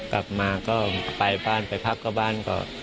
กลับมาก็ไปบ้านพักกับบ้าน